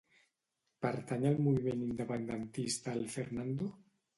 Pertany al moviment independentista el Fernando?